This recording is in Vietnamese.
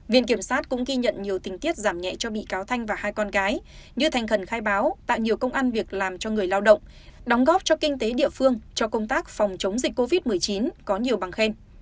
viện kiểm sát cũng ghi nhận nhiều tình tiết giảm nhẹ cho bị cáo thanh và hai con gái như thành khẩn khai báo tạo nhiều công ăn việc làm cho người lao động đóng góp cho kinh tế địa phương cho công tác phòng chống dịch covid một mươi chín có nhiều bằng khen